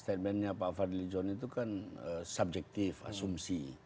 dan sebenarnya bang fadli zon itu kan subjektif asumsi